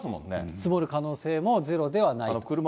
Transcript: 積もる可能性もゼロではないと。